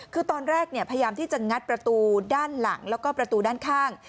คือตอนแรกพยายามที่จะงัดประตูด้านหลังแล้วก็ประตูด้านข้าง